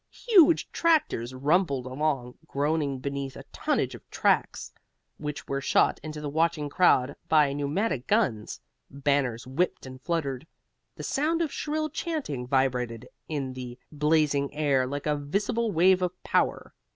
Huge tractors rumbled along, groaning beneath a tonnage of tracts which were shot into the watching crowd by pneumatic guns. Banners whipped and fluttered. The sound of shrill chanting vibrated in the blazing air like a visible wave of power.